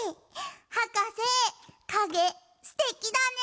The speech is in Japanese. はかせかげすてきだね！